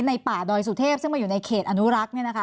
ในป่าดอยสุเทพฯซึ่งมาอยู่ในเขตอนุรักษ์